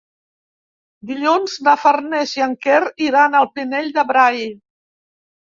Dilluns na Farners i en Quer iran al Pinell de Brai.